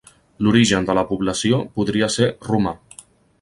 L'origen de la població podria ser romà.